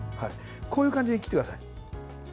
こういう感じに切ってください。